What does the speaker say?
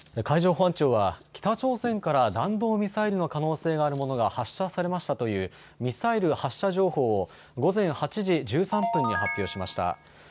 海上保安庁は北朝鮮から弾道ミサイルの可能性があるものが発射されましたというミサイル発射情報を午前８時１３分に発表しました。